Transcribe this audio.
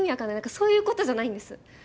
そういうことじゃないんです。